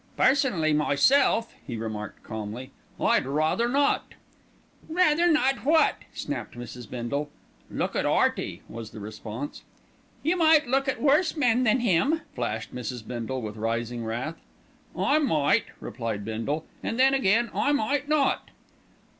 "Personally, myself," he remarked calmly, "I'd rather not." "Rather not what?" snapped Mrs. Bindle. "Look at 'Earty," was the response. "You might look at worse men than him," flashed Mrs. Bindle with rising wrath. "I might," replied Bindle, "and then again I might not."